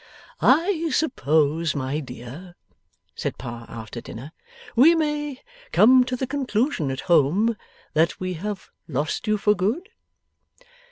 'I suppose, my dear,' said Pa after dinner, 'we may come to the conclusion at home, that we have lost you for good?